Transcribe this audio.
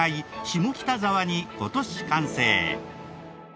下北沢に今年完成。